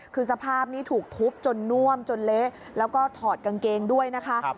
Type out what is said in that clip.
คือสภาพนี้ถูกทุบจนน่วมจนเละแล้วก็ถอดกางเกงด้วยนะคะ